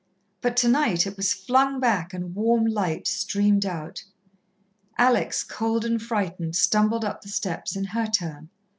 But tonight it was flung back and warm light streamed out. Alex, cold and frightened, stumbled up the steps in her turn.